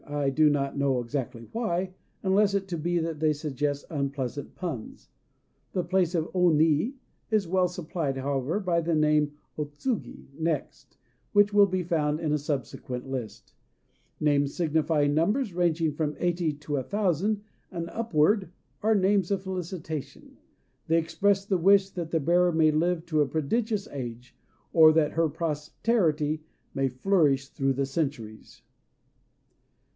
I do not know exactly why, unless it be that they suggest unpleasant puns. The place of O Ni is well supplied, however, by the name O Tsugi ("Next"), which will be found in a subsequent list. Names signifying numbers ranging from eighty to a thousand, and upward, are names of felicitation. They express the wish that the bearer may live to a prodigious age, or that her posterity may flourish through the centuries.